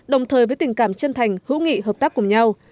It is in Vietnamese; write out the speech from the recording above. đồng thời với tình cảm chân thành hữu nghị hợp tác cùng nhau